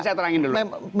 saya terangin dulu